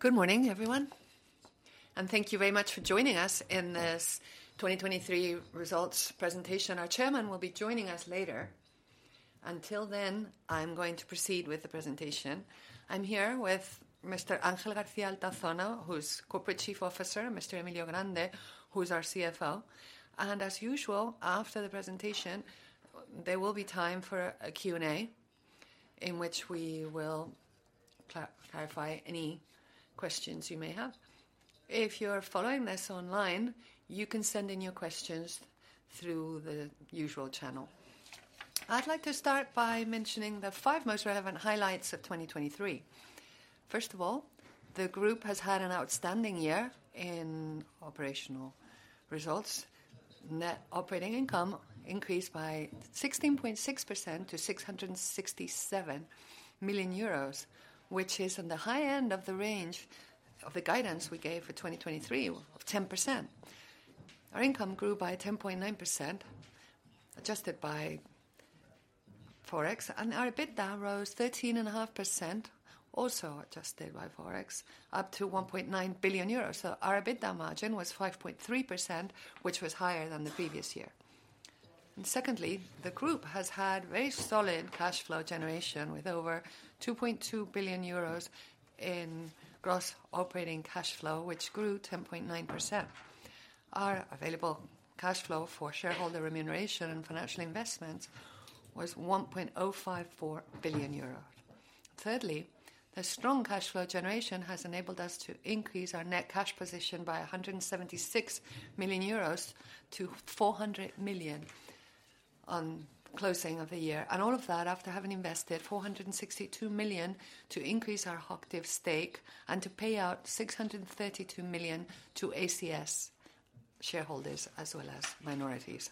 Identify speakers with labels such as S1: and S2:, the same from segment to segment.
S1: Good morning, everyone, and thank you very much for joining us in this 2023 results presentation. Our chairman will be joining us later. Until then, I'm going to proceed with the presentation. I'm here with Mr. Ángel García Altozano, who's Corporate Chief Officer, and Mr. Emilio Grande, who's our CFO. As usual, after the presentation, there will be time for a Q&A in which we will clarify any questions you may have. If you're following this online, you can send in your questions through the usual channel. I'd like to start by mentioning the five most relevant highlights of 2023. First of all, the group has had an outstanding year in operational results. Net operating income increased by 16.6% to €667 million, which is on the high end of the range of the guidance we gave for 2023 of 10%. Our income grew by 10.9% adjusted by Forex, and our EBITDA rose 13.5%, also adjusted by Forex, up to €1.9 billion. Our EBITDA margin was 5.3%, which was higher than the previous year. The group has had very solid cash flow generation with over €2.2 billion in gross operating cash flow, which grew 10.9%. Our available cash flow for shareholder remuneration and financial investments was €1.054 billion. The strong cash flow generation has enabled us to increase our net cash position by €176 million-€400 million on closing of the year, and all of that after having invested €462 million to increase our holdings stake and to pay out €632 million to ACS shareholders as well as minorities.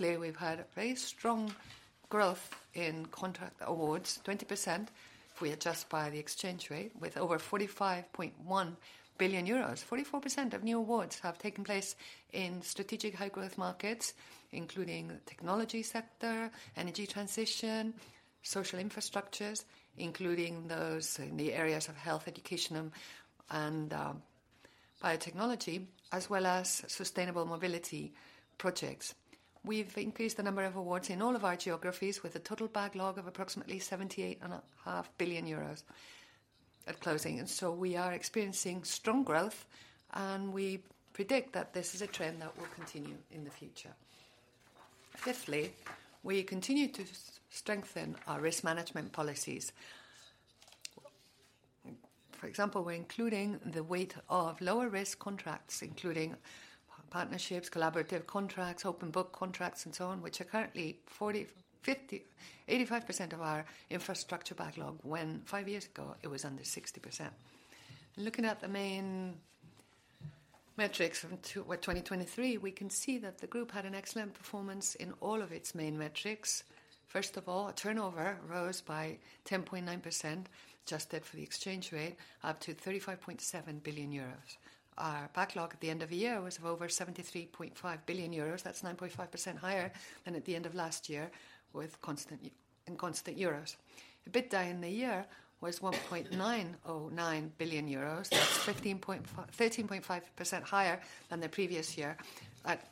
S1: We've had very strong growth in contract awards, 20% if we adjust by the exchange rate, with over €45.1 billion. 44% of new awards have taken place in strategic high-growth markets, including the technology sector, energy transition, social infrastructures, including those in the areas of health, education, and biotechnology, as well as sustainable mobility projects. We've increased the number of awards in all of our geographies with a total backlog of approximately €78.5 billion at closing. We are experiencing strong growth, and we predict that this is a trend that will continue in the future. Fifthly, we continue to strengthen our risk management policies. For example, we're including the weight of lower-risk contracts, including partnerships, collaborative contracts, open-book contracts, and so on, which are currently 85% of our infrastructure backlog when five years ago it was under 60%. Looking at the main metrics for 2023, we can see that the group had an excellent performance in all of its main metrics. First of all, turnover rose by 10.9% adjusted for the exchange rate up to €35.7 billion. Our backlog at the end of the year was over €73.5 billion. That's 9.5% higher than at the end of last year in constant euros. EBITDA in the year was €1.909 billion. That's 13.5% higher than the previous year at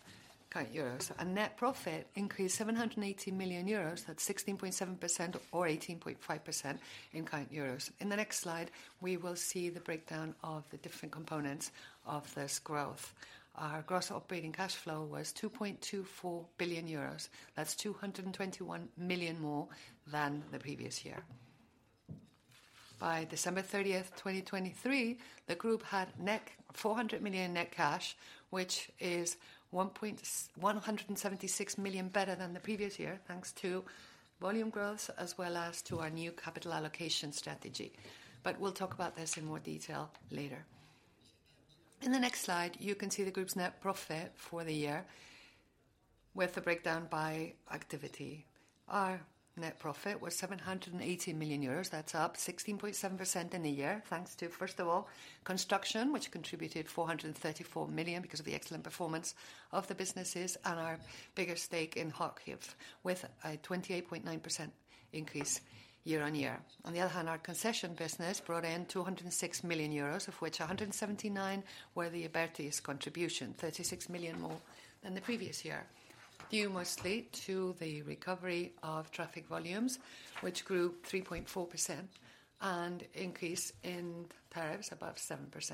S1: current euros. Net profit increased €780 million. That's 16.7% or 18.5% in current euros. In the next slide, we will see the breakdown of the different components of this growth. Our gross operating cash flow was €2.24 billion. That's €221 million more than the previous year. By December 30th, 2023, the group had €400 million net cash, which is €176 million better than the previous year thanks to volume growth as well as to our new capital allocation strategy. But we'll talk about this in more detail later. In the next slide, you can see the group's net profit for the year with the breakdown by activity. Our net profit was €780 million. That's up 16.7% in a year thanks to, first of all, construction, which contributed €434 million because of the excellent performance of the businesses, and our bigger stake in Hochtief with a 28.9% increase year on year. On the other hand, our concession business brought in €206 million, of which €179 million were the Abertis' contribution, €36 million more than the previous year, due mostly to the recovery of traffic volumes, which grew 3.4%, and increase in tariffs above 7%.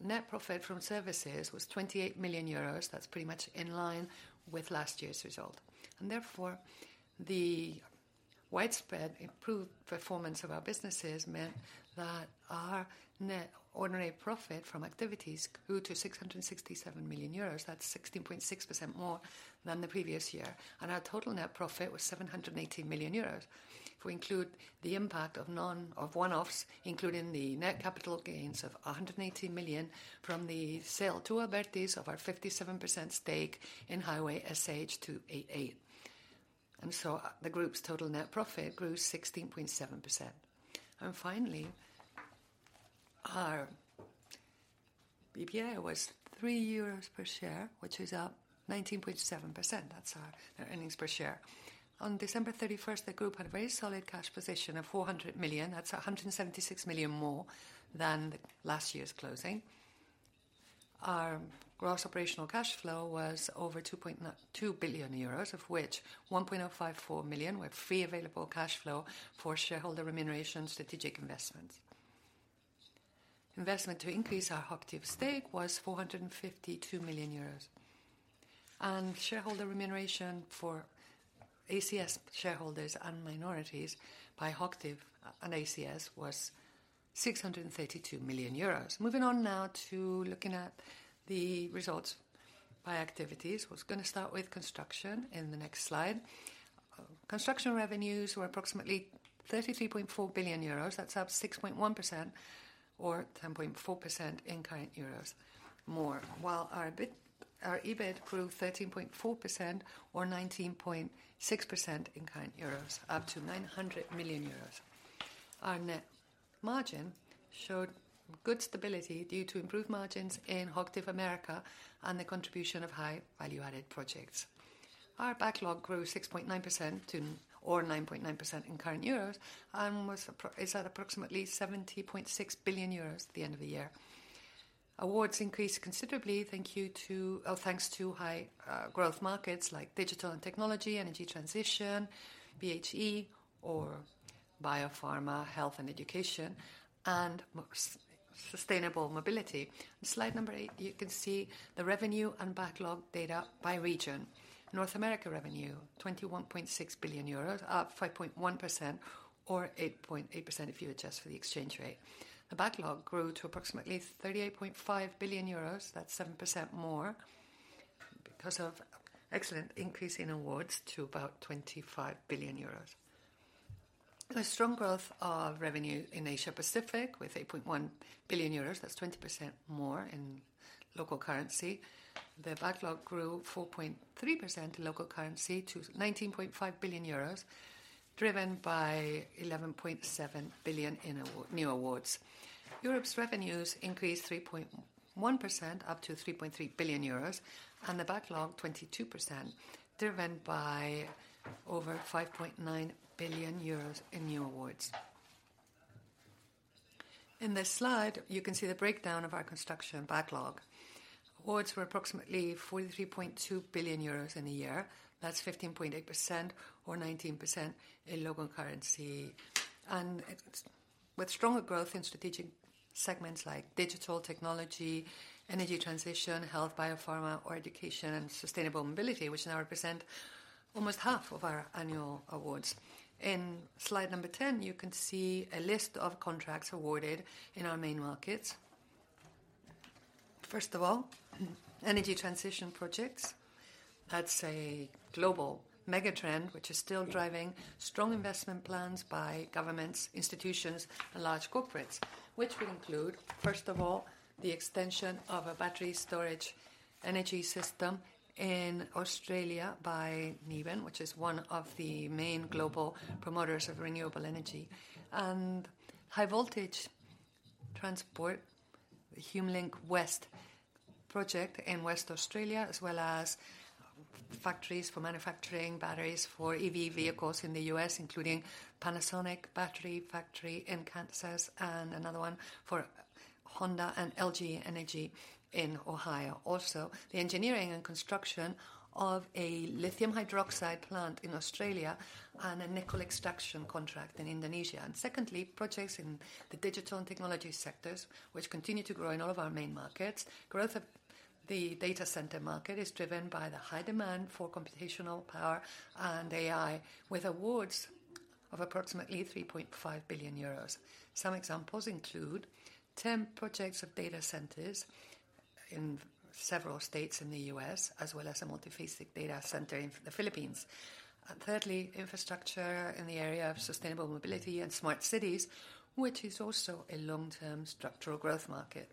S1: Net profit from services was €28 million. That's pretty much in line with last year's result. Therefore, the widespread improved performance of our businesses meant that our net ordinary profit from activities grew to €667 million. That's 16.6% more than the previous year. Our total net profit was €780 million. If we include the impact of one-offs, including the net capital gains of €180 million from the sale to Abertis of our 57% stake in Highway SH288, the group's total net profit grew 16.7%. Finally, our EPS was €3 per share, which is up 19.7%. That's our earnings per share. On December 31st, the group had a very solid cash position of €400 million. That's €176 million more than last year's closing. Our gross operational cash flow was over €2.2 billion, of which €1.054 billion were free available cash flow for shareholder remuneration strategic investments. Investment to increase our Hochtief stake was €452 million. Shareholder remuneration for ACS shareholders and minorities by Hochtief and ACS was €632 million. Moving on now to looking at the results by activities. I was going to start with construction in the next slide. Construction revenues were approximately €33.4 billion. That's up 6.1% or 10.4% in current euros more, while our EBIT grew 13.4% or 19.6% in current euros, up to €900 million. Our net margin showed good stability due to improved margins in North America and the contribution of high-value-added projects. Our backlog grew 6.9% or 9.9% in current euros and is at approximately €70.6 billion at the end of the year. Awards increased considerably thanks to high-growth markets like digital and technology, energy transition, BHE, or biopharma, health and education, and sustainable mobility. In slide number eight, you can see the revenue and backlog data by region. North America revenue, €21.6 billion, up 5.1% or 8.8% if you adjust for the exchange rate. The backlog grew to approximately €38.5 billion. That's 7% more because of an excellent increase in awards to about €25 billion. There's strong growth of revenue in Asia Pacific with €8.1 billion. That's 20% more in local currency. The backlog grew 4.3% in local currency to €19.5 billion, driven by €11.7 billion in new awards. Europe's revenues increased 3.1%, up to €3.3 billion, and the backlog 22%, driven by over €5.9 billion in new awards. In this slide, you can see the breakdown of our construction backlog. Awards were approximately €43.2 billion in a year. That's 15.8% or 19% in local currency. With stronger growth in strategic segments like digital, technology, energy transition, health, biopharma, or education and sustainable mobility, which now represent almost half of our annual awards. In slide number 10, you can see a list of contracts awarded in our main markets. First of all, energy transition projects. That's a global megatrend, which is still driving strong investment plans by governments, institutions, and large corporates, which would include, first of all, the extension of a battery storage energy system in Australia by Neoen, which is one of the main global promoters of renewable energy, and high-voltage transport, the HumeLink West project in West Australia, as well as factories for manufacturing batteries for EV vehicles in the U.S., including Panasonic battery factory in Kansas, and another one for Honda and LG Energy in Ohio. Also, the engineering and construction of a lithium hydroxide plant in Australia and a nickel extraction contract in Indonesia. Secondly, projects in the digital and technology sectors, which continue to grow in all of our main markets. Growth of the data center market is driven by the high demand for computational power and AI, with awards of approximately €3.5 billion. Some examples include 10 projects of data centers in several states in the U.S., as well as a multifaceted data center in the Philippines. Thirdly, infrastructure in the area of sustainable mobility and smart cities, which is also a long-term structural growth market.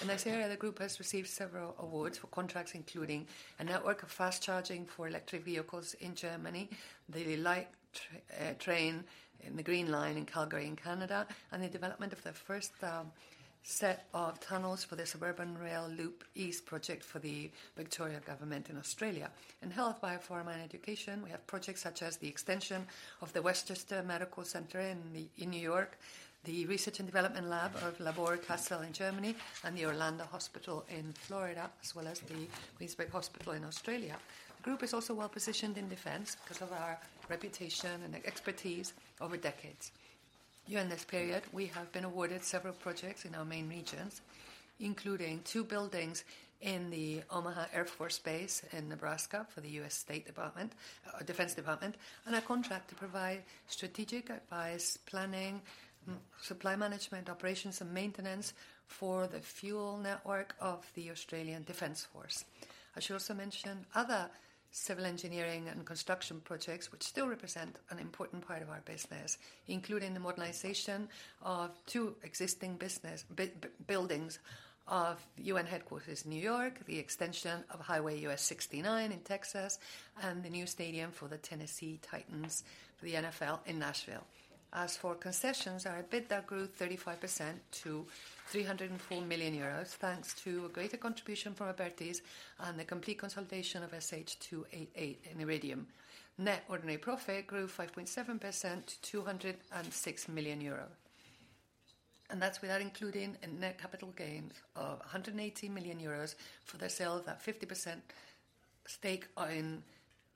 S1: In this area, the group has received several awards for contracts, including a network of fast charging for electric vehicles in Germany, the light train in the Green Line in Calgary, Canada, and the development of the first set of tunnels for the suburban rail loop east project for the Victoria government in Australia. In health, biopharma, and education, we have projects such as the extension of the Westchester Medical Center in New York, the Research and Development Lab of Bayer Supply Centre in Germany, and the Orlando Hospital in Florida, as well as the Queensbrid Hospital in Australia. The group is also well-positioned in defense because of our reputation and expertise over decades. During this period, we have been awarded several projects in our main regions, including two buildings in the Offutt Air Force Base in Nebraska for the U.S. State Department, Defense Department, and a contract to provide strategic advice, planning, supply management, operations, and maintenance for the fuel network of the Australian Defense Force. I should also mention other civil engineering and construction projects, which still represent an important part of our business, including the modernization of two existing buildings of UN headquarters in New York, the extension of Highway US69 in Texas, and the new stadium for the Tennessee Titans for the NFL in Nashville. As for concessions, our EBITDA grew 35% to €304 million thanks to a greater contribution from Abertis and the complete consolidation of SH288 in Iridium. Net ordinary profit grew 5.7% to €206 million. That's without including net capital gains of €180 million for the sale of that 50% stake in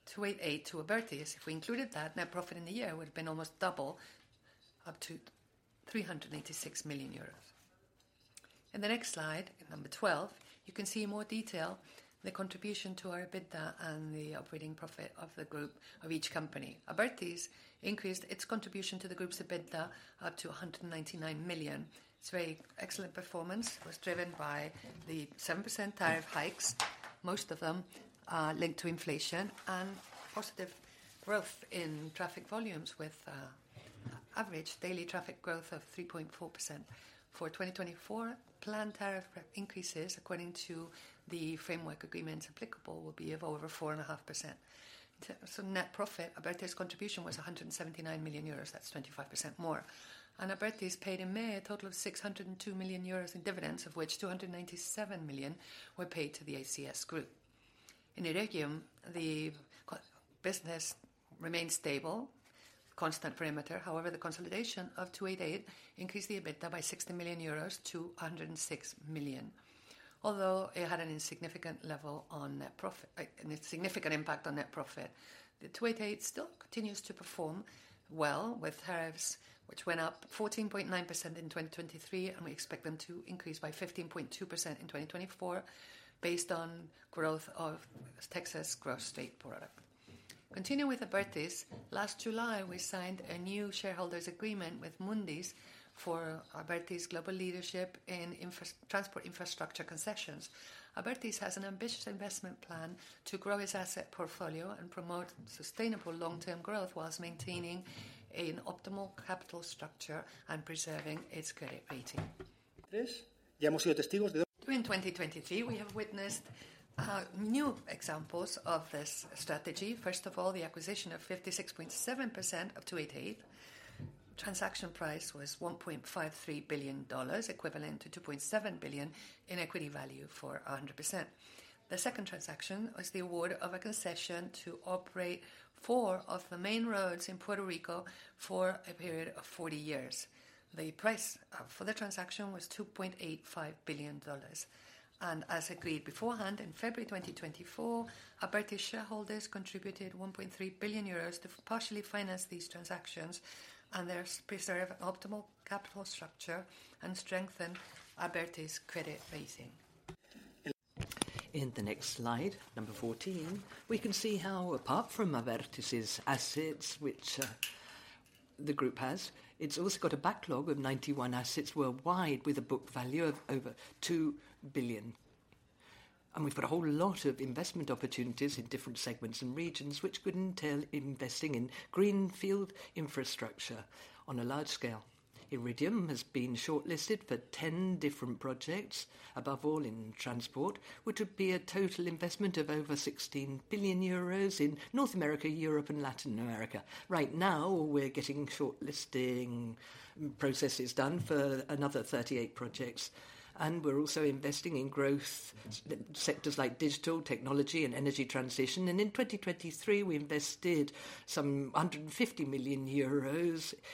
S1: 288 to Abertis. If we included that, net profit in the year would have been almost double, up to €386 million. In the next slide, number 12, you can see in more detail the contribution to our EBITDA and the operating profit of each company. Abertis increased its contribution to the group's EBITDA up to €199 million. It's a very excellent performance. It was driven by the 7% tariff hikes, most of them linked to inflation, and positive growth in traffic volumes with average daily traffic growth of 3.4%. For 2024, planned tariff increases, according to the framework agreements applicable, will be of over 4.5%. Net profit, Abertis' contribution was €179 million. That's 25% more. Abertis paid in May a total of €602 million in dividends, of which €297 million were paid to the ACS group. In Iridium, the business remained stable, constant perimeter. However, the consolidation of 288 increased the EBITDA by €60 million-€106 million, although it had an insignificant impact on net profit. The 288 still continues to perform well with tariffs, which went up 14.9% in 2023, and we expect them to increase by 15.2% in 2024 based on growth of Texas gross state product. Continuing with Abertis, last July, we signed a new shareholders' agreement with Mundys for Abertis' global leadership in transport infrastructure concessions. Abertis has an ambitious investment plan to grow its asset portfolio and promote sustainable long-term growth whilst maintaining an optimal capital structure and preserving its credit rating. 2023, we have already witnessed. During 2023, we have witnessed new examples of this strategy. First of all, the acquisition of 56.7% of 288. The transaction price was $1.53 billion, equivalent to $2.7 billion in equity value for 100%. The second transaction was the award of a concession to operate four of the main roads in Puerto Rico for a period of 40 years. The price for the transaction was $2.85 billion. As agreed beforehand, in February 2024, Abertis' shareholders contributed €1.3 billion to partially finance these transactions and preserve optimal capital structure and strengthen Abertis' credit rating.
S2: In the next slide, number 14, we can see how, apart from Abertis' assets, which the group has, it's also got a backlog of 91 assets worldwide with a book value of over $2 billion. We've got a whole lot of investment opportunities in different segments and regions, which could entail investing in greenfield infrastructure on a large scale. Iridium has been shortlisted for 10 different projects, above all in transport, which would be a total investment of over €16 billion in North America, Europe, and Latin America. Right now, we're getting shortlisting processes done for another 38 projects, and we're also investing in growth sectors like digital, technology, and energy transition. In 2023, we invested some €150 million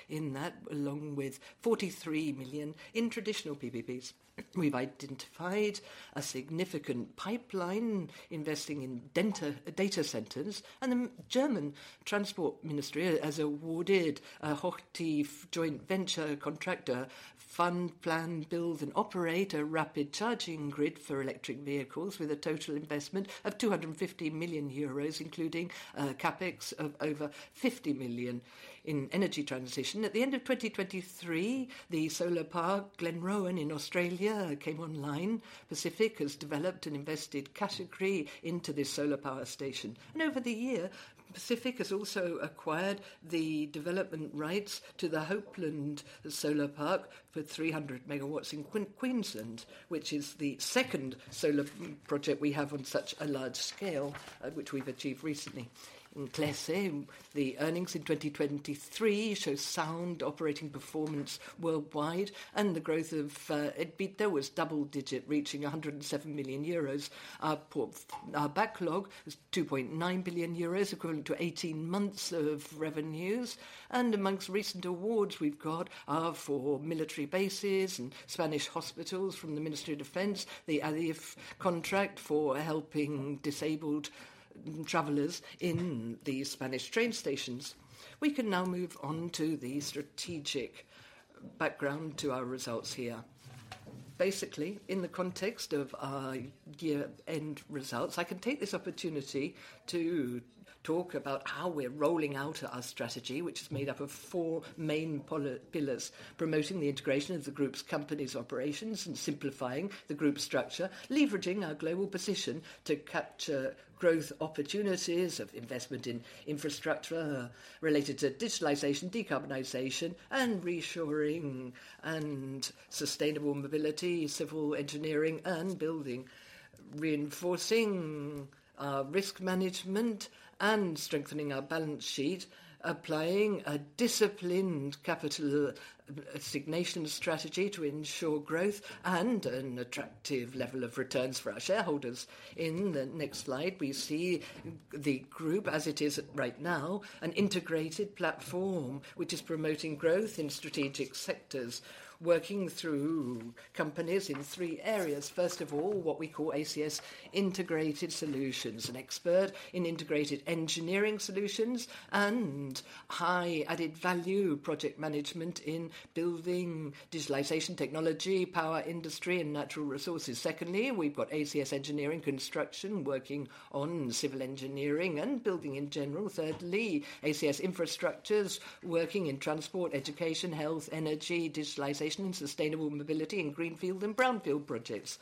S2: in that, along with €43 million in traditional PPPs. We've identified a significant pipeline investing in data centers, and the German Transport Ministry has awarded a Hochtiefs joint venture contractor fund plan to build and operate a rapid charging grid for electric vehicles with a total investment of €250 million, including CAPEX of over €50 million in energy transition. At the end of 2023, the solar park Glen Rowan in Australia came online. Pacific has developed and invested Equity into this solar power station. Over the year, Pacific has also acquired the development rights to the Hopeland solar park for 300 megawatts in Queensland, which is the second solar project we have on such a large scale, which we've achieved recently. In Clece, the earnings in 2023 show sound operating performance worldwide and the growth of EBITDA was double-digit, reaching €107 million. Our backlog is €2.9 billion, equivalent to 18 months of revenues. Among recent awards, we've got four military bases and Spanish hospitals from the Ministry of Defense, the ADIF contract for helping disabled travelers in the Spanish train stations. We can now move on to the strategic background to our results here. Basically, in the context of our year-end results, I can take this opportunity to talk about how we're rolling out our strategy, which is made up of four main pillars: promoting the integration of the group's companies' operations and simplifying the group's structure, leveraging our global position to capture growth opportunities of investment in infrastructure related to digitalization, decarbonization, and reshoring, and sustainable mobility, civil engineering, and building, reinforcing our risk management, and strengthening our balance sheet, applying a disciplined capital allocation strategy to ensure growth and an attractive level of returns for our shareholders. In the next slide, we see the group, as it is right now, an integrated platform, which is promoting growth in strategic sectors, working through companies in three areas. First of all, what we call ACS Integrated Solutions, an expert in integrated engineering solutions and high-added value project management in building, digitalization, technology, power industry, and natural resources. Secondly, we've got ACS Engineering Construction working on civil engineering and building in general. Thirdly, ACS Infrastructures working in transport, education, health, energy, digitalization, and sustainable mobility in greenfield and brownfield projects.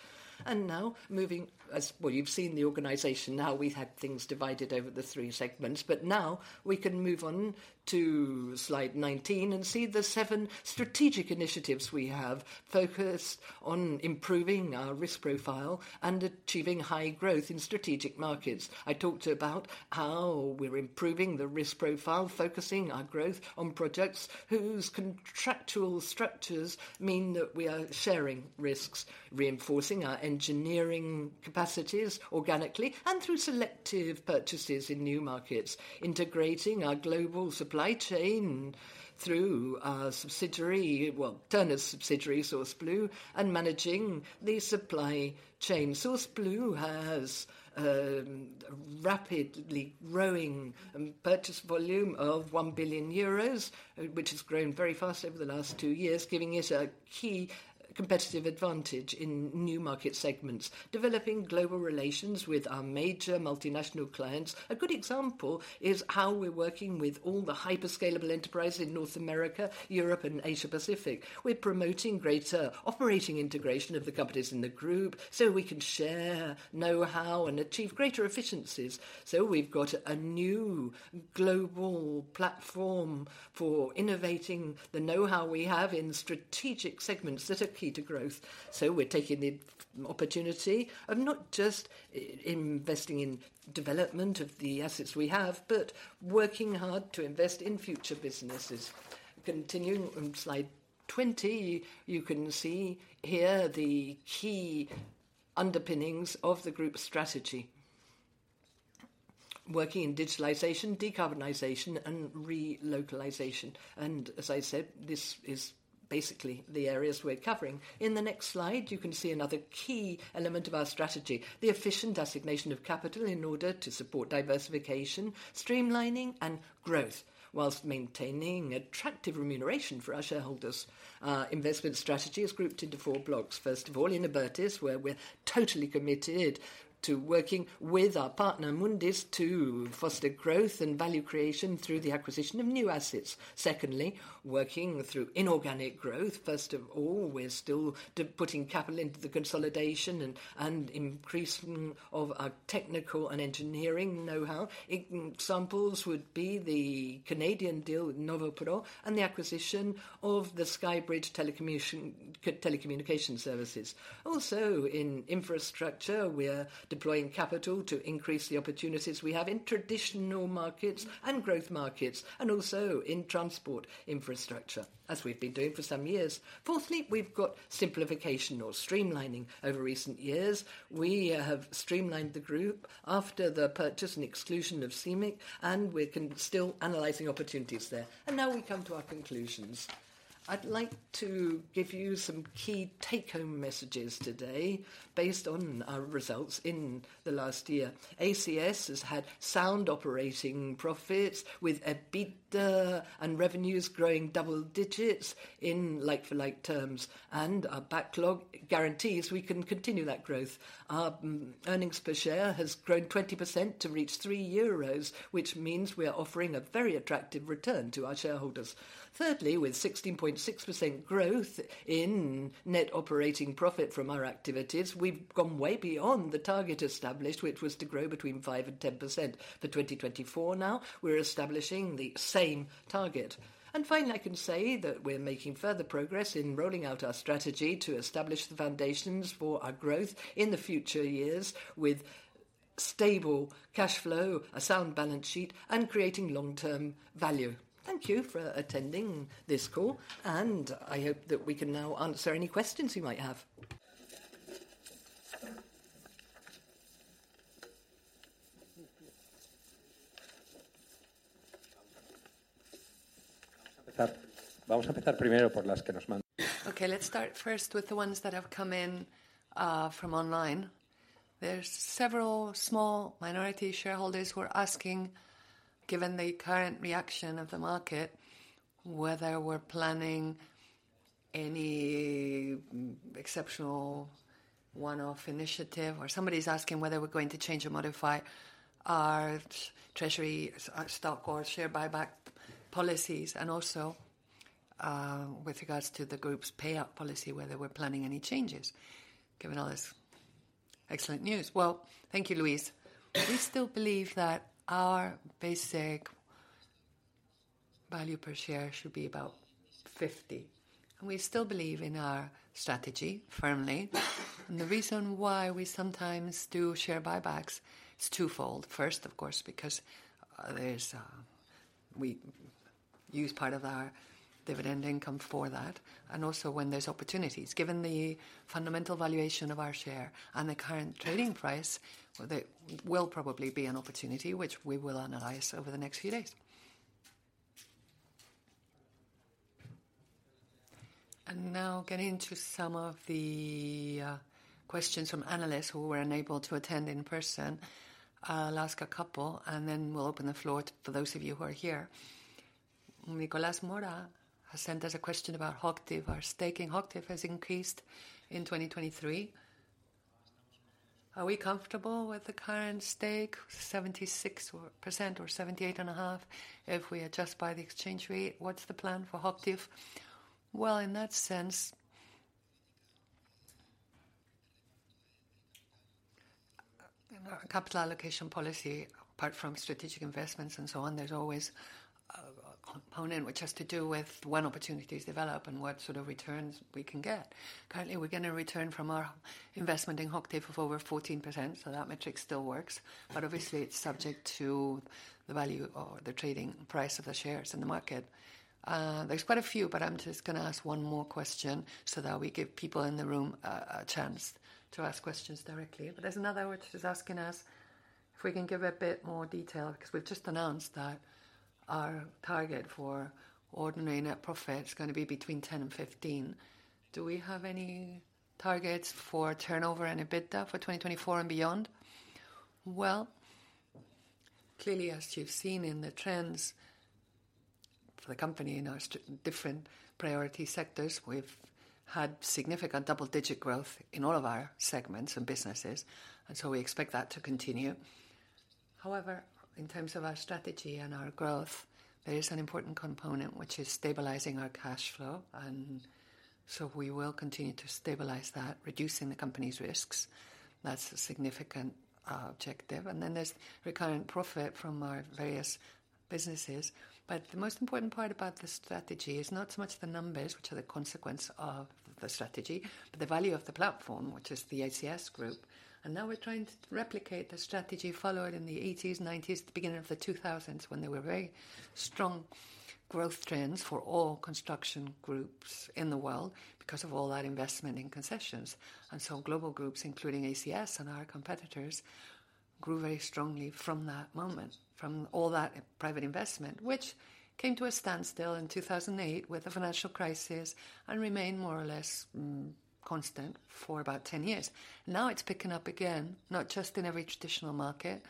S2: Now, moving as well, you've seen the organization. We've had things divided over the three segments, but now we can move on to slide 19 and see the seven strategic initiatives we have focused on improving our risk profile and achieving high growth in strategic markets. I talked about how we're improving the risk profile, focusing our growth on projects whose contractual structures mean that we are sharing risks, reinforcing our engineering capacities organically and through selective purchases in new markets, integrating our global supply chain through our subsidiary, well, Turner's subsidiary, SourceBlue, and managing the supply chain. SourceBlue has a rapidly growing purchase volume of €1 billion, which has grown very fast over the last two years, giving it a key competitive advantage in new market segments, developing global relations with our major multinational clients. A good example is how we're working with all the hyperscalable enterprises in North America, Europe, and Asia-Pacific. We're promoting greater operating integration of the companies in the group so we can share know-how and achieve greater efficiencies. We've got a new global platform for innovating the know-how we have in strategic segments that are key to growth. We're taking the opportunity of not just investing in development of the assets we have, but working hard to invest in future businesses. Continuing on slide 20, you can see here the key underpinnings of the group's strategy: working in digitalization, decarbonization, and relocalization. As I said, this is basically the areas we're covering. In the next slide, you can see another key element of our strategy: the efficient assignation of capital in order to support diversification, streamlining, and growth, whilst maintaining attractive remuneration for our shareholders. Investment strategy is grouped into four blocks. First of all, in Abertis, where we're totally committed to working with our partner Mundys to foster growth and value creation through the acquisition of new assets. Secondly, working through inorganic growth. First of all, we're still putting capital into the consolidation and increasing of our technical and engineering know-how. Examples would be the Canadian deal with NovoPro and the acquisition of the Skybridge Telecommunication Services. Also, in infrastructure, we're deploying capital to increase the opportunities we have in traditional markets and growth markets, and also in transport infrastructure, as we've been doing for some years. Fourthly, we've got simplification or streamlining over recent years. We have streamlined the group after the purchase and exclusion of CMIC, and we're still analyzing opportunities there. Now we come to our conclusions. I'd like to give you some key take-home messages today based on our results in the last year. ACS has had sound operating profits with EBITDA and revenues growing double digits in like-for-like terms, and our backlog guarantees we can continue that growth. Our earnings per share has grown 20% to reach €3, which means we are offering a very attractive return to our shareholders. Thirdly, with 16.6% growth in net operating profit from our activities, we've gone way beyond the target established, which was to grow between 5% and 10% for 2024. Now, we're establishing the same target. Finally, I can say that we're making further progress in rolling out our strategy to establish the foundations for our growth in the future years with stable cash flow, a sound balance sheet, and creating long-term value. Thank you for attending this call, and I hope that we can now answer any questions you might have.
S1: Okay, let's start first with the ones that have come in from online. There's several small minority shareholders who are asking, given the current reaction of the market, whether we're planning any exceptional one-off initiative, or somebody's asking whether we're going to change or modify our treasury stock or share buyback policies, and also with regards to the group's payout policy, whether we're planning any changes, given all this excellent news. Thank you, Louise. We still believe that our basic value per share should be about $50, and we still believe in our strategy firmly. The reason why we sometimes do share buybacks is twofold. First, of course, because we use part of our dividend income for that, and also when there's opportunities, given the fundamental valuation of our share and the current trading price, there will probably be an opportunity, which we will analyze over the next few days. Now, getting into some of the questions from analysts who were unable to attend in person, I'll ask a couple, and then we'll open the floor for those of you who are here. Nicolás Mora has sent us a question about Hochtief. Our staking Hochtief has increased in 2023. Are we comfortable with the current stake of 76% or 78.5% if we adjust by the exchange rate? What's the plan for Hochtief? Well, in that sense, capital allocation policy, apart from strategic investments and so on, there's always a component which has to do with when opportunities develop and what sort of returns we can get. Currently, we're going to return from our investment in Hochtief of over 14%, so that metric still works, but obviously, it's subject to the value or the trading price of the shares in the market. There's quite a few, but I'm just going to ask one more question so that we give people in the room a chance to ask questions directly. There's another which is asking us if we can give a bit more detail because we've just announced that our target for ordinary net profit is going to be between 10 and 15. Do we have any targets for turnover and EBITDA for 2024 and beyond? Clearly, as you've seen in the trends for the company in our different priority sectors, we've had significant double-digit growth in all of our segments and businesses, and so we expect that to continue. However, in terms of our strategy and our growth, there is an important component which is stabilizing our cash flow, and so we will continue to stabilize that, reducing the company's risks. That's a significant objective. Then there's recurrent profit from our various businesses, but the most important part about the strategy is not so much the numbers, which are the consequence of the strategy, but the value of the platform, which is the ACS Group. We're trying to replicate the strategy followed in the '80s, '90s, the beginning of the 2000s, when there were very strong growth trends for all construction groups in the world because of all that investment in concessions. Global groups, including ACS and our competitors, grew very strongly from that moment, from all that private investment, which came to a standstill in 2008 with the financial crisis and remained more or less constant for about 10 years. Now, it's picking up again, not just in every traditional market,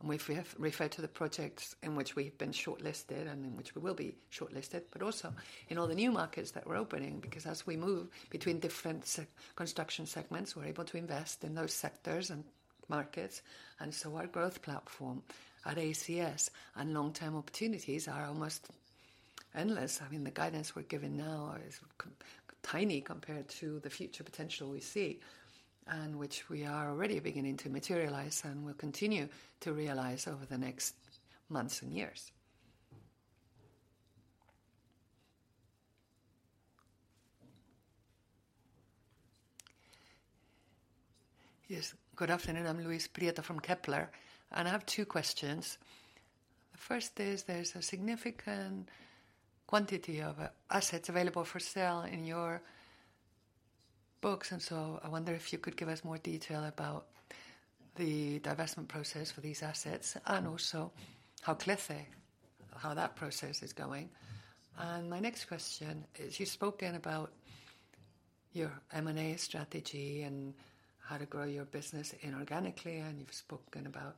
S1: and we refer to the projects in which we've been shortlisted and in which we will be shortlisted, but also in all the new markets that we're opening because as we move between different construction segments, we're able to invest in those sectors and markets. Our growth platform at ACS and long-term opportunities are almost endless. The guidance we're given now is tiny compared to the future potential we see, which we are already beginning to materialize and will continue to realize over the next months and years.
S3: Yes, good afternoon. I'm Luis Prieto from Kepler, and I have two questions. The first is there's a significant quantity of assets available for sale in your books, and so I wonder if you could give us more detail about the divestment process for these assets and also how that process is going. My next question is you've spoken about your M&A strategy and how to grow your business inorganically, and you've spoken about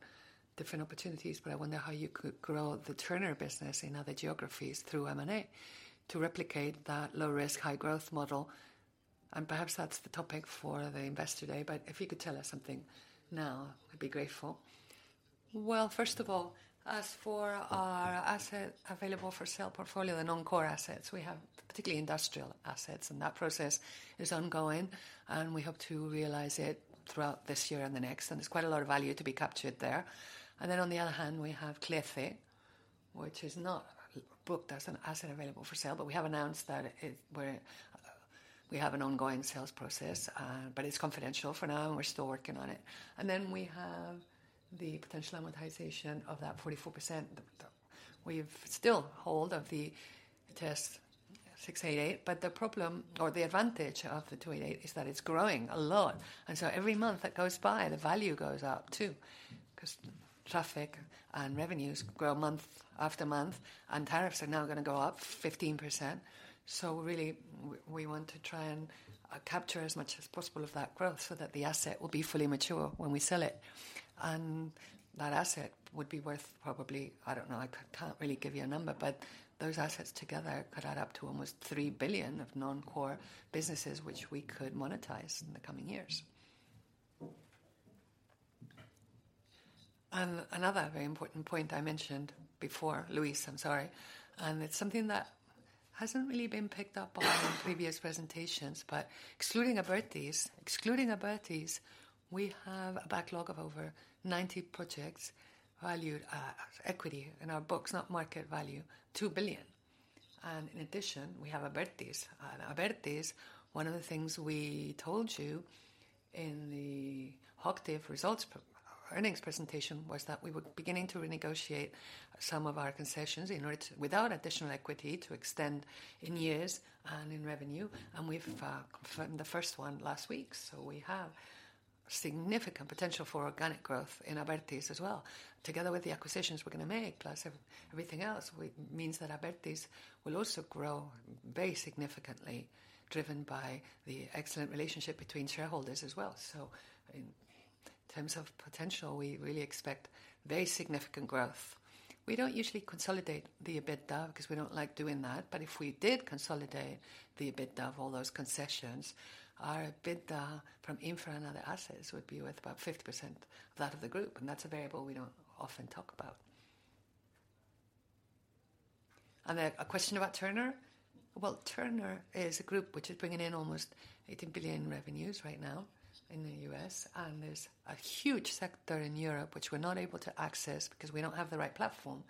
S3: different opportunities, but I wonder how you could grow the Turner business in other geographies through M&A to replicate that low-risk, high-growth model. Perhaps that's the topic for the investor day, but if you could tell us something now, I'd be grateful. First of all, as for our asset available for sale portfolio, the non-core assets, we have particularly industrial assets, and that process is ongoing, and we hope to realize it throughout this year and the next, and there's quite a lot of value to be captured there. On the other hand, we have Cliffy, which is not booked as an asset available for sale, but we have announced that we have an ongoing sales process, but it's confidential for now, and we're still working on it. We have the potential amortization of that 44%. We still hold of the SH-288, but the problem or the advantage of the 288 is that it's growing a lot, and so every month that goes by, the value goes up too because traffic and revenues grow month after month, and tariffs are now going to go up 15%. We want to try and capture as much as possible of that growth so that the asset will be fully mature when we sell it, and that asset would be worth probably, I don't know, I can't really give you a number, but those assets together could add up to almost $3 billion of non-core businesses, which we could monetize in the coming years. Another very important point I mentioned before, Louise, I'm sorry, and it's something that hasn't really been picked up on in previous presentations, but excluding Abertis, we have a backlog of over 90 projects valued as equity in our books, not market value, $2 billion. In addition, we have Abertis. Abertis, one of the things we told you in the Hochtief results earnings presentation was that we were beginning to renegotiate some of our concessions without additional equity to extend in years and in revenue, and we've confirmed the first one last week. We have significant potential for organic growth in Abertis as well. Together with the acquisitions we're going to make plus everything else, it means that Abertis will also grow very significantly driven by the excellent relationship between shareholders as well. In terms of potential, we really expect very significant growth. We don't usually consolidate the EBITDA because we don't like doing that, but if we did consolidate the EBITDA of all those concessions, our EBITDA from infra and other assets would be worth about 50% of that of the group, and that's a variable we don't often talk about. A question about Turner? Turner is a group which is bringing in almost $18 billion in revenues right now in the U.S., and there's a huge sector in Europe which we're not able to access because we don't have the right platform.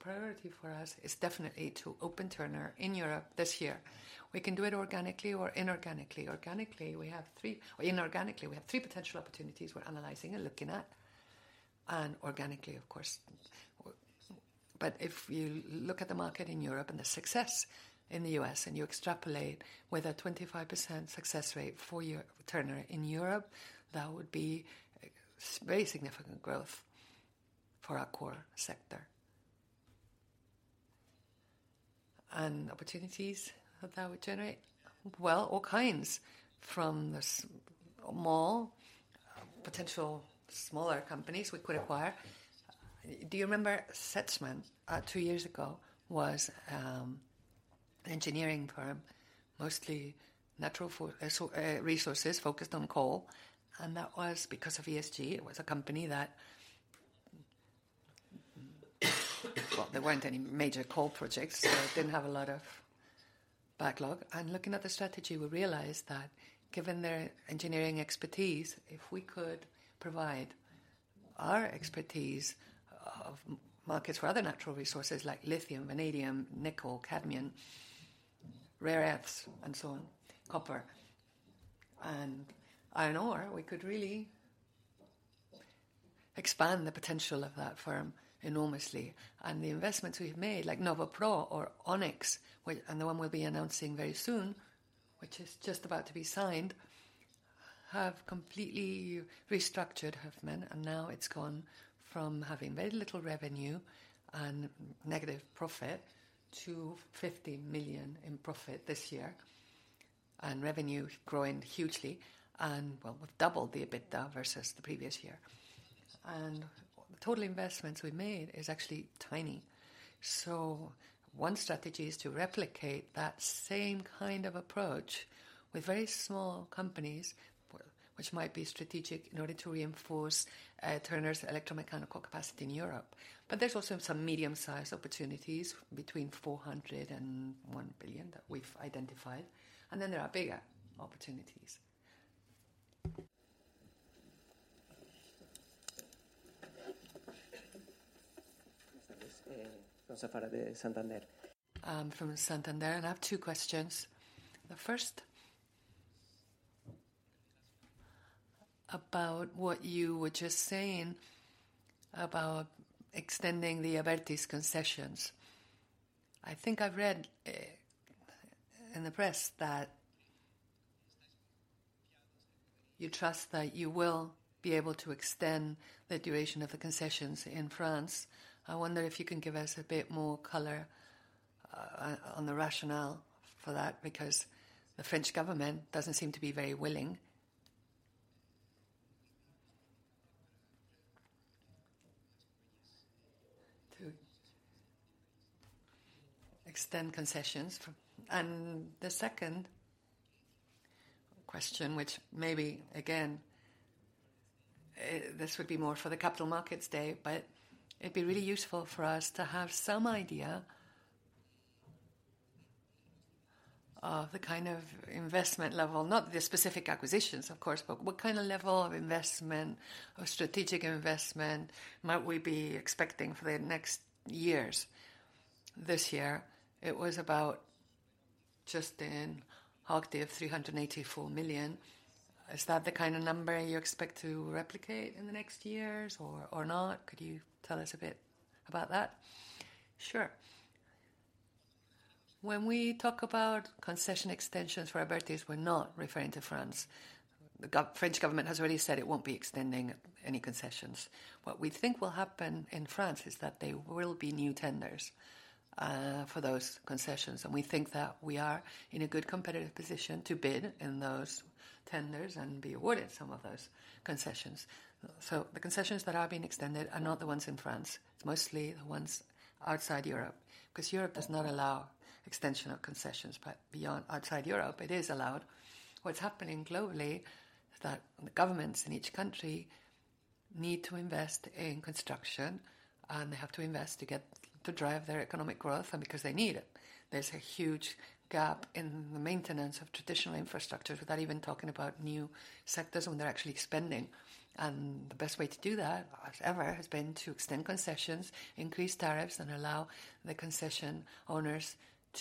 S3: Priority for us is definitely to open Turner in Europe this year. We can do it organically or inorganically. Organically, we have three inorganically, we have three potential opportunities we're analyzing and looking at, and organically, of course. But if you look at the market in Europe and the success in the US, and you extrapolate with a 25% success rate for your Turner in Europe, that would be very significant growth for our core sector. Opportunities that we generate? All kinds from the small potential smaller companies we could acquire. Do you remember Sedgman? Two years ago, it was an engineering firm, mostly natural resources focused on coal, and that was because of ESG. It was a company that there weren't any major coal projects, so it didn't have a lot of backlog. Looking at the strategy, we realized that given their engineering expertise, if we could provide our expertise of markets for other natural resources like lithium, vanadium, nickel, cadmium, rare earths, and so on, copper, and iron ore, we could really expand the potential of that firm enormously. The investments we've made, like NovoPro or Onyx, and the one we'll be announcing very soon, which is just about to be signed, have completely restructured Hofmann, and now it's gone from having very little revenue and negative profit to $50 million in profit this year, and revenue growing hugely. We've doubled the EBITDA versus the previous year. The total investments we made are actually tiny. One strategy is to replicate that same kind of approach with very small companies, which might be strategic in order to reinforce Turner's electromechanical capacity in Europe, but there's also some medium-sized opportunities between $400 million and $1 billion that we've identified, and then there are bigger opportunities.
S4: This is from Sara from Santander.
S1: From Santander, and I have two questions. The first, about what you were just saying about extending the Abertis concessions. I think I've read in the press that you trust that you will be able to extend the duration of the concessions in France. I wonder if you can give us a bit more color on the rationale for that because the French government doesn't seem to be very willing to extend concessions. The second question, which maybe again, this would be more for the Capital Markets Day, but it'd be really useful for us to have some idea of the kind of investment level, not the specific acquisitions, of course, but what kind of level of investment or strategic investment might we be expecting for the next years? This year, it was about just in Hochtief of €384 million. Is that the kind of number you expect to replicate in the next years or not? Could you tell us a bit about that? Sure. When we talk about concession extensions for Abertis, we're not referring to France. The French government has already said it won't be extending any concessions. What we think will happen in France is that there will be new tenders for those concessions, and we think that we are in a good competitive position to bid in those tenders and be awarded some of those concessions. The concessions that are being extended are not the ones in France. It's mostly the ones outside Europe because Europe does not allow extension of concessions, but outside Europe, it is allowed. What's happening globally is that the governments in each country need to invest in construction, and they have to invest to drive their economic growth because they need it. There's a huge gap in the maintenance of traditional infrastructures without even talking about new sectors when they're actually spending. The best way to do that as ever has been to extend concessions, increase tariffs, and allow the concession owners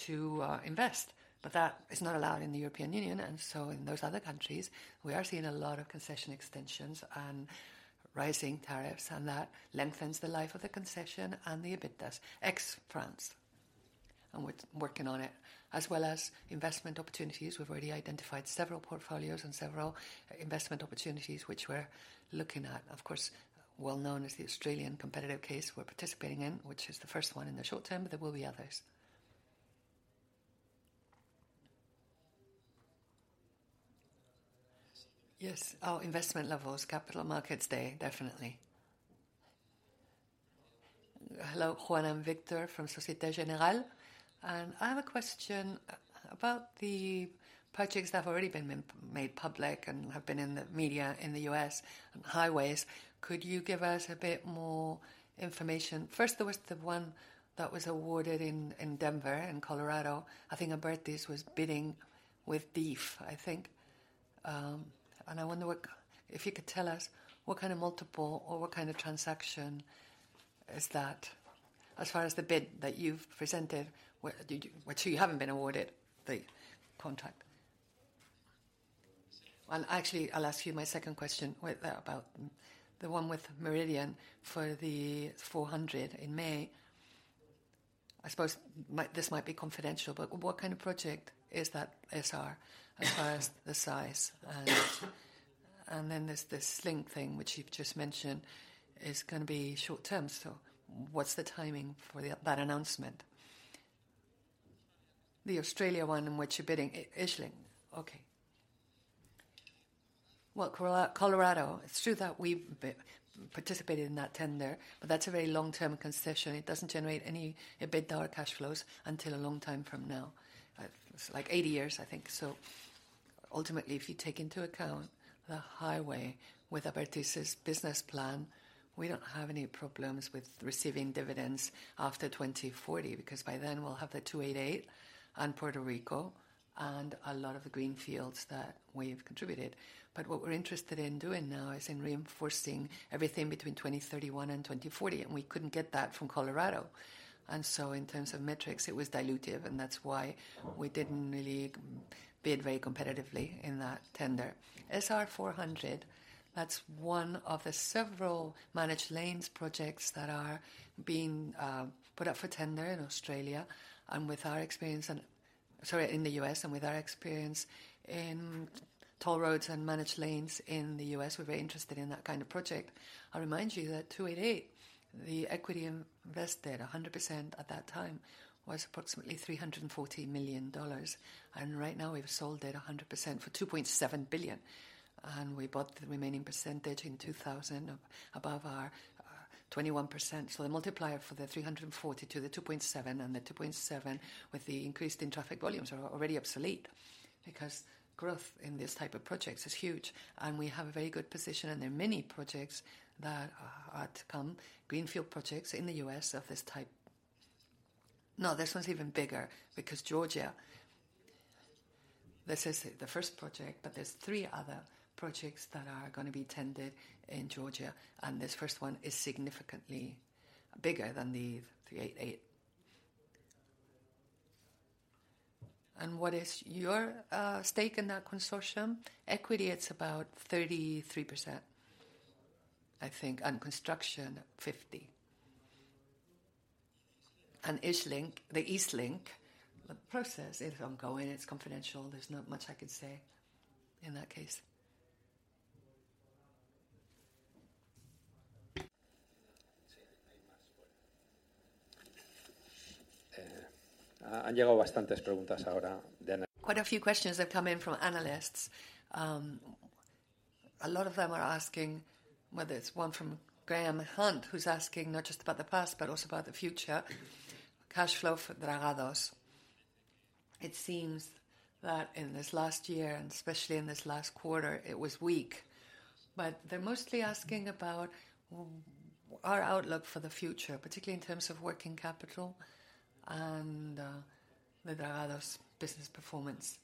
S1: to invest, but that is not allowed in the European Union. In those other countries, we are seeing a lot of concession extensions and rising tariffs, and that lengthens the life of the concession and the EBITDAs. Ex-France, we're working on it as well as investment opportunities. We've already identified several portfolios and several investment opportunities which we're looking at. Of course, well known is the Australian competitive case we're participating in, which is the first one in the short term, but there will be others. Yes, our investment levels, Capital Markets Day definitely. Hello, Juan and Victor from Société Générale. I have a question about the projects that have already been made public and have been in the media in the U.S. on highways. Could you give us a bit more information? First, there was the one that was awarded in Denver, in Colorado. I think Abertis was bidding with DIF, I think, and I wonder if you could tell us what kind of multiple or what kind of transaction is that as far as the bid that you've presented? Actually, you haven't been awarded the contract. Actually, I'll ask you my second question about the one with Meridian for the 400 in May. I suppose this might be confidential, but what kind of project is that SR as far as the size? Then there's the EastLink thing which you've just mentioned is going to be short term. What's the timing for that announcement? The Australia one in which you're bidding, Ischling. Well, Colorado, it's true that we've participated in that tender, but that's a very long-term concession. It doesn't generate any EBITDA or cash flows until a long time from now, like 80 years, I think. Ultimately, if you take into account the highway with Aberties' business plan, we don't have any problems with receiving dividends after 2040 because by then, we'll have the 288 and Puerto Rico and a lot of the greenfields that we've contributed. What we're interested in doing now is reinforcing everything between 2031 and 2040, and we couldn't get that from Colorado. In terms of metrics, it was dilutive, and that's why we didn't really bid very competitively in that tender. SR 400, that's one of the several managed lanes projects that are being put up for tender in Australia. With our experience in the U.S. and with our experience in toll roads and managed lanes in the U.S., we're very interested in that kind of project. I remind you that 288, the equity invested 100% at that time was approximately $340 million, and right now, we've sold it 100% for $2.7 billion. We bought the remaining percentage in 2000 above our 21%. The multiplier for the 340 to the 2.7 and the 2.7 with the increase in traffic volumes are already obsolete because growth in this type of projects is huge, and we have a very good position, and there are many projects that are to come, greenfield projects in the U.S. of this type. This one's even bigger because Georgia, this is the first project, but there's three other projects that are going to be tendered in Georgia, and this first one is significantly bigger than the 388. What is your stake in that consortium? Equity, it's about 33%, I think, and construction, 50%. The East Link, the process is ongoing, it's confidential, there's not much I could say in that case.
S4: Han llegado bastantes preguntas ahora.
S1: Quite a few questions have come in from analysts. A lot of them are asking, whether it's one from Graham Hunt who's asking not just about the past, but also about the future, cash flow for Dragados. It seems that in this last year, and especially in this last quarter, it was weak, but they're mostly asking about our outlook for the future, particularly in terms of working capital and the Dragados business performance.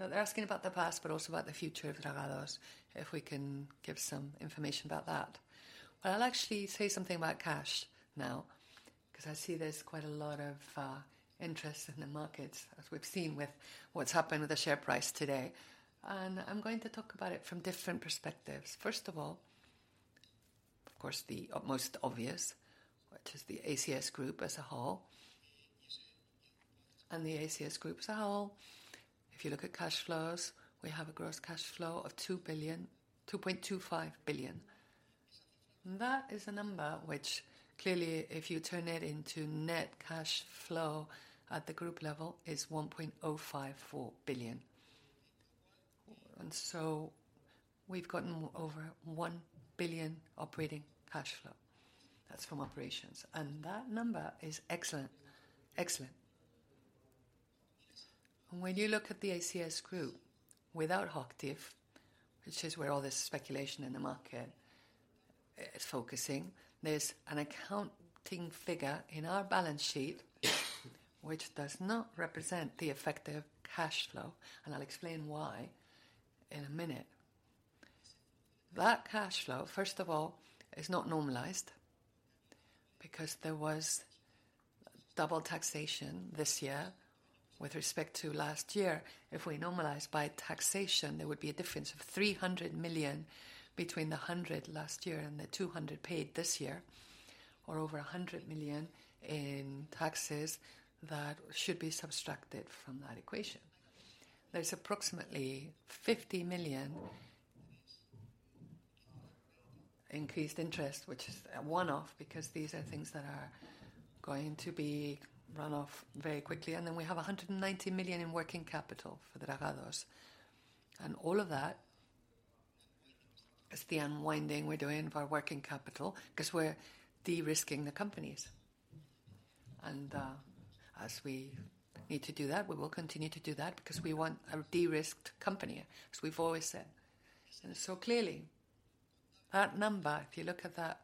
S1: They're asking about the past, but also about the future of Dragados, if we can give some information about that. I'll actually say something about cash now because I see there's quite a lot of interest in the markets as we've seen with what's happened with the share price today. I'm going to talk about it from different perspectives. First of all, of course, the most obvious, which is the ACS Group as a whole. The ACS Group as a whole, if you look at cash flows, we have a gross cash flow of $2.25 billion. That is a number which clearly, if you turn it into net cash flow at the group level, is $1.054 billion. We've gotten over $1 billion operating cash flow. That's from operations, and that number is excellent. When you look at the ACS Group without Hochtief, which is where all this speculation in the market is focusing, there's an accounting figure in our balance sheet which does not represent the effective cash flow, and I'll explain why in a minute. That cash flow, first of all, is not normalized because there was double taxation this year with respect to last year. If we normalized by taxation, there would be a difference of $300 million between the $100 million last year and the $200 million paid this year, or over $100 million in taxes that should be subtracted from that equation. There's approximately $50 million increased interest, which is a one-off because these are things that are going to be run off very quickly, and then we have $190 million in working capital for Dragados. All of that is the unwinding we're doing of our working capital because we're de-risking the companies. As we need to do that, we will continue to do that because we want a de-risked company, as we've always said. Clearly, that number, if you look at that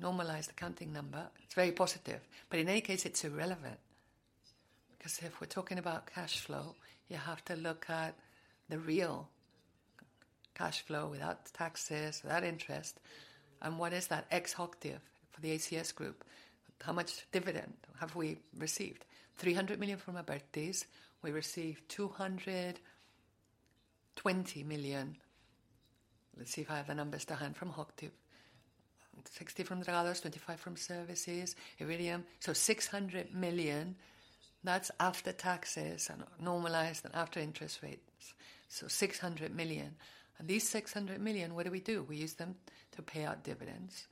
S1: normalized accounting number, it's very positive, but in any case, it's irrelevant because if we're talking about cash flow, you have to look at the real cash flow without taxes, without interest, and what is that EBITDA for the ACS Group? How much dividend have we received? €300 million from Abertis, we received €220 million. Let's see if I have the numbers to hand from HOCHTIEF, €60 million from Dragados, €25 million from services, Iridium. €600 million, that's after taxes and normalized and after interest rates. €600 million, and these €600 million, what do we do? We use them to pay out dividends,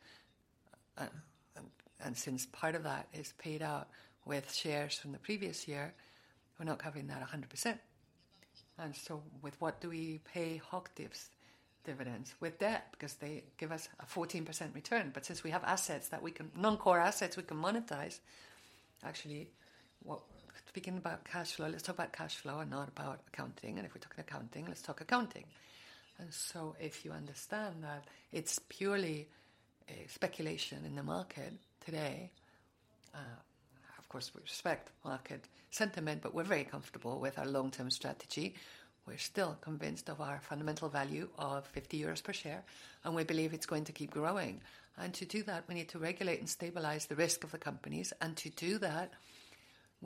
S1: and since part of that is paid out with shares from the previous year, we're not covering that 100%. With what do we pay HOCHTIEF's dividends? With debt because they give us a 14% return, but since we have assets that we can, non-core assets, we can monetize. Actually, speaking about cash flow, let's talk about cash flow and not about accounting, and if we're talking accounting, let's talk accounting. If you understand that it's purely speculation in the market today, of course, we respect market sentiment, but we're very comfortable with our long-term strategy. We're still convinced of our fundamental value of $50 per share, and we believe it's going to keep growing. To do that, we need to regulate and stabilize the risk of the companies, and to do that,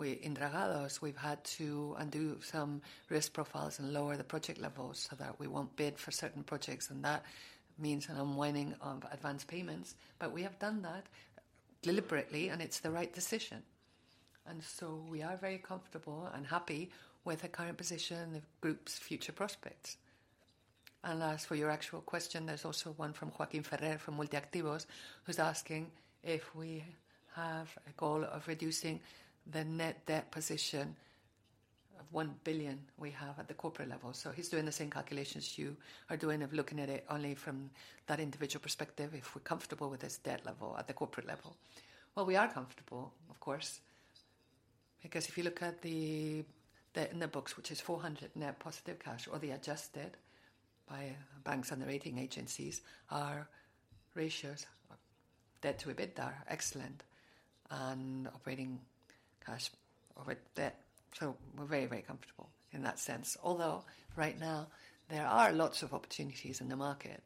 S1: in Dragados, we've had to undo some risk profiles and lower the project levels so that we won't bid for certain projects, and that means an unwinding of advance payments. We have done that deliberately, and it's the right decision. We are very comfortable and happy with the current position of the group's future prospects. As for your actual question, there's also one from Joaquín Ferrer from MultiActivos who's asking if we have a goal of reducing the net debt position of $1 billion we have at the corporate level. He's doing the same calculations you are doing of looking at it only from that individual perspective if we're comfortable with this debt level at the corporate level. We are comfortable, of course, because if you look at the net books, which is $400 million net positive cash or the adjusted by banks and the rating agencies, our ratios of debt to EBITDA are excellent and operating cash over debt. We're very comfortable in that sense, although right now, there are lots of opportunities in the market.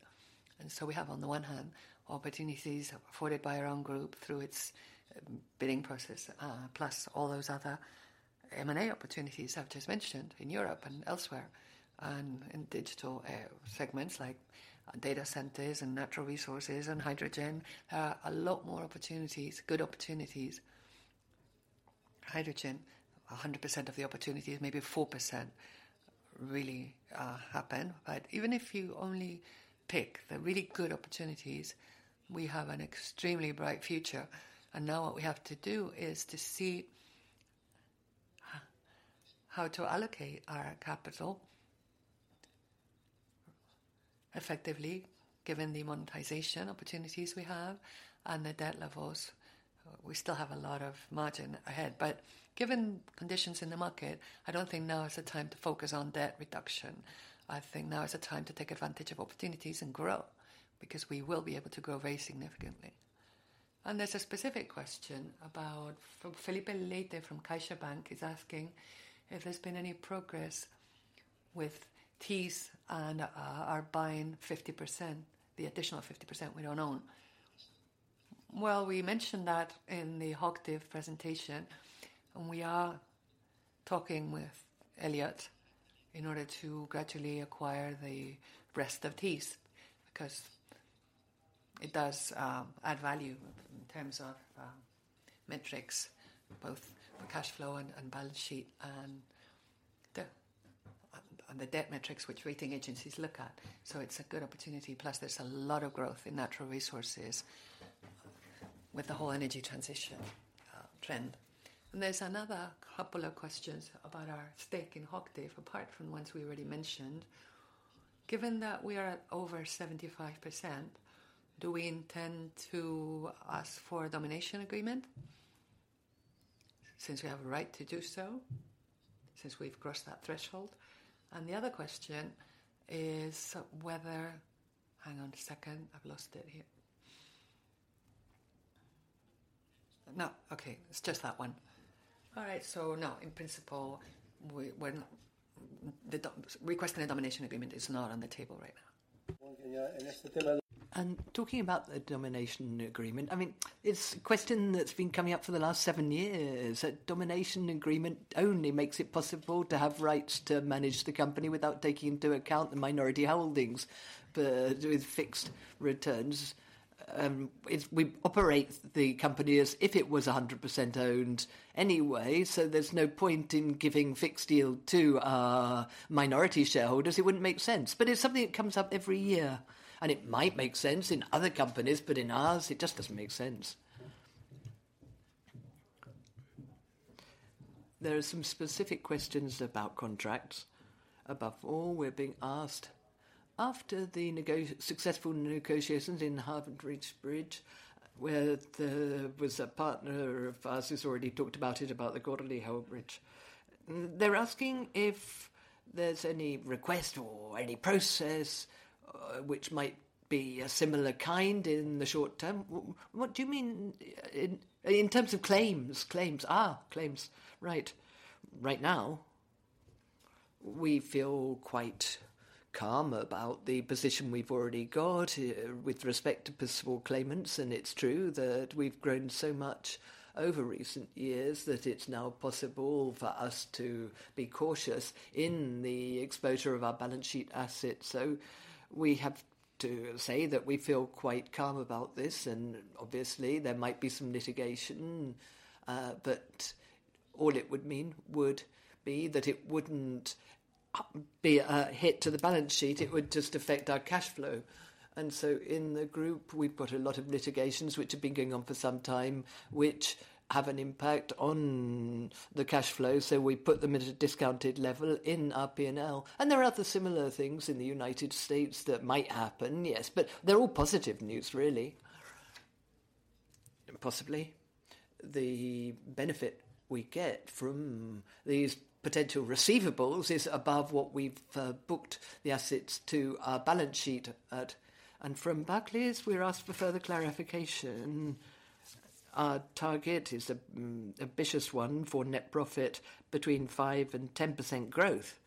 S1: We have, on the one hand, opportunities afforded by our own group through its bidding process, plus all those other M&A opportunities I've just mentioned in Europe and elsewhere, and in digital segments like data centers and natural resources and hydrogen. There are a lot more opportunities, good opportunities. Hydrogen, 100% of the opportunities, maybe 4% really happen, but even if you only pick the really good opportunities, we have an extremely bright future. Now, what we have to do is to see how to allocate our capital effectively given the monetization opportunities we have and the debt levels. We still have a lot of margin ahead, but given conditions in the market, I don't think now is the time to focus on debt reduction. I think now is the time to take advantage of opportunities and grow because we will be able to grow very significantly. There's a specific question about Felipe Leite from Kaiser Bank who's asking if there's been any progress with Thiess and our buying 50%, the additional 50% we don't own. We mentioned that in the Hochtief presentation, and we are talking with Elliott in order to gradually acquire the rest of Thiess because it does add value in terms of metrics, both for cash flow and balance sheet and the debt metrics which rating agencies look at. It's a good opportunity, plus there's a lot of growth in natural resources with the whole energy transition trend. There's another couple of questions about our stake in Hochtief apart from ones we already mentioned. Given that we are at over 75%, do we intend to ask for a domination agreement since we have a right to do so, since we've crossed that threshold? The other question is whether... hang on a second, I've lost it here.
S2: No, it's just that one. No, in principle, requesting a domination agreement is not on the table right now. Talking about the domination agreement, it's a question that's been coming up for the last seven years. Domination agreement only makes it possible to have rights to manage the company without taking into account the minority holdings with fixed returns. We operate the company as if it was 100% owned anyway, so there's no point in giving fixed yield to minority shareholders. It wouldn't make sense, but it's something that comes up every year, and it might make sense in other companies, but in ours, it just doesn't make sense. There are some specific questions about contracts. Above all, we're being asked after the successful negotiations in Harbor Bridge where there was a partner of ours who's already talked about it, about the Gordie Howe Bridge. They're asking if there's any request or any process which might be a similar kind in the short term. What do you mean in terms of claims? Claims, claims, right. Right now, we feel quite calm about the position we've already got with respect to principal claimants, and it's true that we've grown so much over recent years that it's now possible for us to be cautious in the exposure of our balance sheet assets. We have to say that we feel quite calm about this, and obviously, there might be some litigation, but all it would mean would be that it wouldn't be a hit to the balance sheet. It would just affect our cash flow. In the group, we've got a lot of litigations which have been going on for some time which have an impact on the cash flow, so we put them at a discounted level in our P&L. There are other similar things in the United States that might happen, yes, but they're all positive news, really. Possibly, the benefit we get from these potential receivables is above what we've booked the assets to our balance sheet at. From Barclays, we're asked for further clarification. Our target is an ambitious one for net profit between 5% and 10% growth.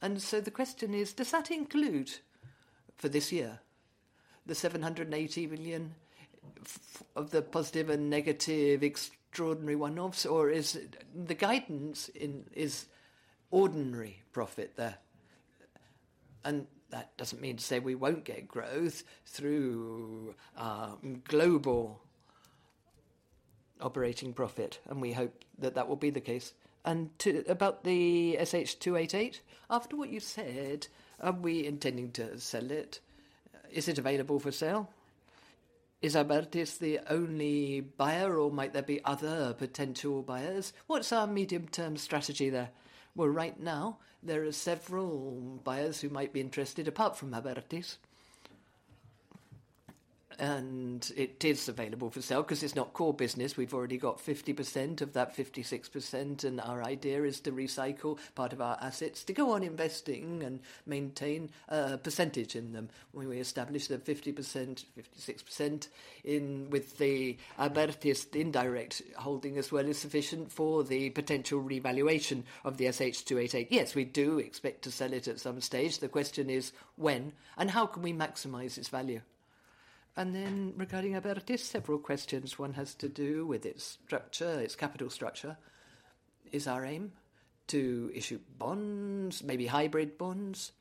S2: The question is, does that include for this year, the $780 million of the positive and negative extraordinary one-offs, or is the guidance ordinary profit there? That doesn't mean to say we won't get growth through global operating profit, and we hope that that will be the case. About the SH288, after what you said, are we intending to sell it? Is it available for sale? Is Abertis the only buyer, or might there be other potential buyers? What's our medium-term strategy there? Right now, there are several buyers who might be interested apart from Abertis. It is available for sale because it's not core business. We've already got 50% of that 56%, and our idea is to recycle part of our assets to go on investing and maintain a percentage in them when we establish the 50%, 56% with the Abertis indirect holding as sufficient for the potential revaluation of the SH288. Yes, we do expect to sell it at some stage. The question is when and how can we maximize its value? Regarding Abertis, several questions. One has to do with its structure, its capital structure. Is our aim to issue bonds, maybe hybrid bonds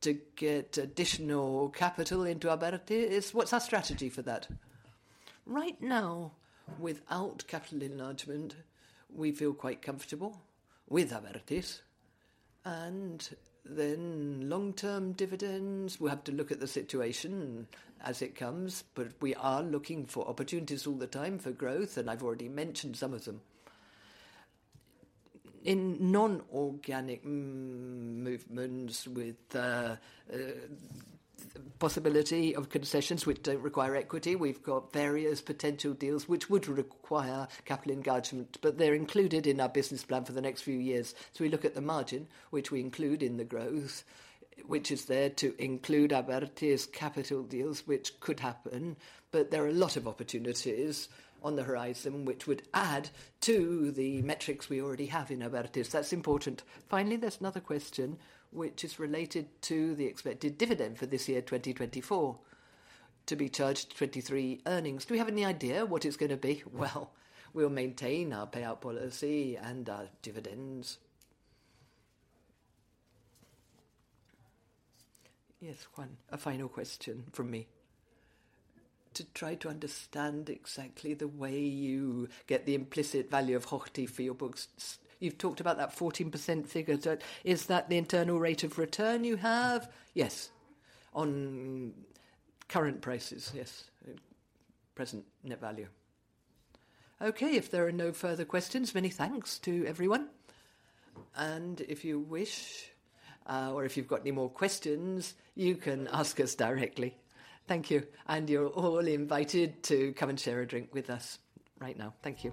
S2: to get additional capital into Abertis? What's our strategy for that?
S5: Right now, without capital enlargement, we feel quite comfortable with Abertis. Then long-term dividends, we'll have to look at the situation as it comes, but we are looking for opportunities all the time for growth, and I've already mentioned some of them. In non-organic movements with the possibility of concessions which don't require equity, we've got various potential deals which would require capital enlargement, but they're included in our business plan for the next few years. We look at the margin which we include in the growth, which is there to include Abertis capital deals which could happen, but there are a lot of opportunities on the horizon which would add to the metrics we already have in Abertis. That's important.
S2: Finally, there's another question which is related to the expected dividend for this year, 2024, to be charged 23 earnings. Do we have any idea what it's going to be? Well, we'll maintain our payout policy and our dividends. Yes, Juan, a final question from me. To try to understand exactly the way you get the implicit value of Hochtief for your books, you've talked about that 14% figure. Is that the internal rate of return you have?
S5: Yes, on current prices, yes, present net value. If there are no further questions, many thanks to everyone. If you wish or if you've got any more questions, you can ask us directly. Thank you, and you're all invited to come and share a drink with us right now. Thank you.